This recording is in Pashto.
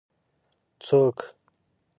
څوک